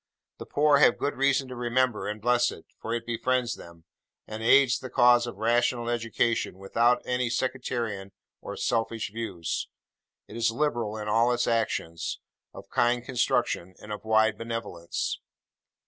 The poor have good reason to remember and bless it; for it befriends them, and aids the cause of rational education, without any sectarian or selfish views. It is liberal in all its actions; of kind construction; and of wide benevolence.